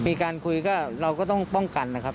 มีการคุยก็เราก็ต้องป้องกันนะครับ